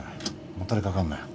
もたれかかんなよ。